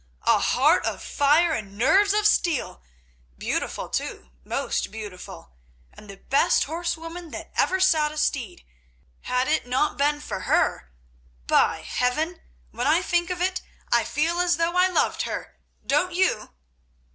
A heart of fire and nerves of steel! Beautiful, too—most beautiful; and the best horsewoman that ever sat a steed. Had it not been for her—By Heaven! when I think of it I feel as though I loved her—don't you?"